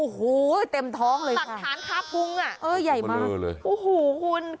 โอ้โหเต็มท้องเลยค่ะหลักฐานข้าวพรุง